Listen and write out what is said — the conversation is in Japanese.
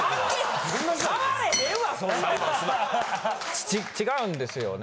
ち違うんですよね。